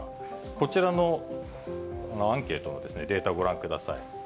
こちらのアンケートのデータをご覧ください。